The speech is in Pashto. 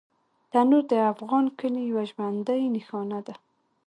تنور د افغان کلي یوه ژوندي نښانه ده